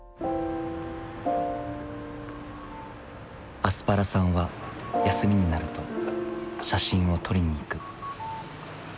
アスパラさんは休みになると写真を撮りに行く。